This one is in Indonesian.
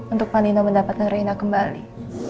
untuk pak nino mendapatkan rena kembali